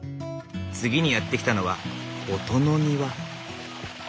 次にやって来たのは音の庭。